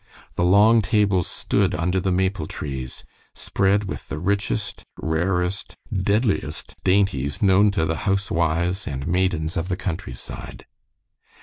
The long tables stood under the maple trees, spread with the richest, rarest, deadliest dainties known to the housewives and maidens of the countryside.